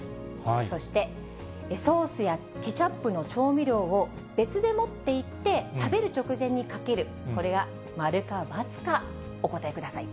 そして、ソースやケチャップの調味料を別で持っていって、食べる直前にかける、これは〇か×か、お答えください。